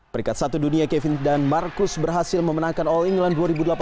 perikat satu dunia kevin dan marcus berhasil memenangkan all england dua ribu delapan belas